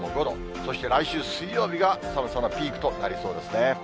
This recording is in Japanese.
そして来週水曜日が寒さのピークとなりそうですね。